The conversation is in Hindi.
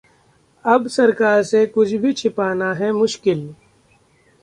अब सरकार से कुछ भी छिपाना है मुश्किल